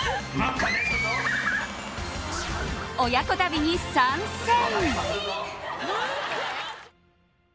親子旅に参戦。